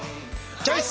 チョイス！